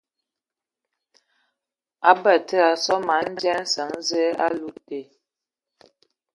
Batsidi a mana hm sɔ dzyē a nsəŋ Zǝə a ludǝtu.